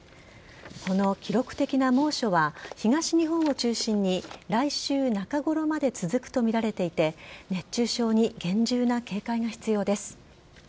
この記録的な猛暑は東日本を中心に来週中ごろまで続くとみられていて熱中症に厳重な警戒が必要です。